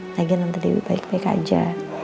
lagi tante dewi baik baik aja